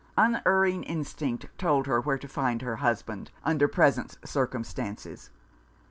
Unerring instinct told her where to find her husband, under present circumstances.